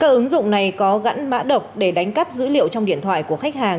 các ứng dụng này có gắn mã độc để đánh cắp dữ liệu trong điện thoại của khách hàng